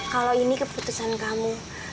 kalau ini keputusan kamu